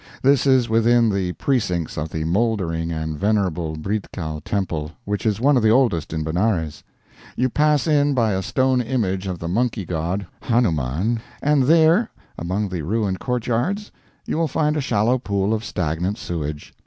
This is within the precincts of the mouldering and venerable Briddhkal Temple, which is one of the oldest in Benares. You pass in by a stone image of the monkey god, Hanuman, and there, among the ruined courtyards, you will find a shallow pool of stagnant sewage.